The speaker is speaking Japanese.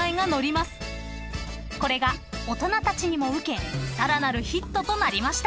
［これが大人たちにも受けさらなるヒットとなりました］